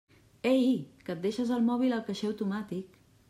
Ei, que et deixes el mòbil al caixer automàtic!